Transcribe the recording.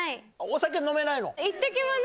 お酒飲めないの？